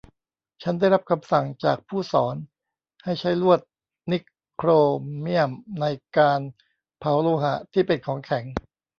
ฉันได้รับคำสั่งจากผู้สอนให้ใช้ลวดนิกโครเมี่ยมในการเผาโลหะที่เป็นของแข็ง